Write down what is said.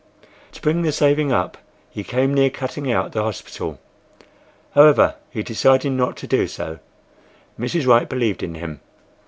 To bring the saving up he came near cutting out the hospital. However, he decided not to do so. Mrs. Wright believed in him.